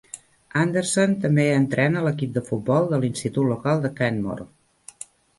Anderson també entrena l'equip de futbol de l'institut local de Canmore.